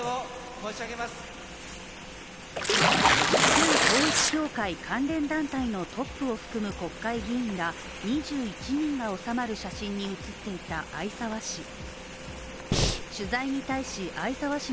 旧統一教会関連団体のトップを含む国会議員ら２１人が収まる写真に写っていた逢沢氏